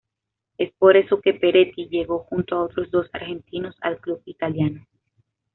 Es por eso que Peretti llegó junto a otros dos argentinos al club italiano.